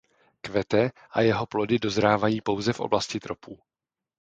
Kvete a jeho plody dozrávají pouze v oblasti tropů.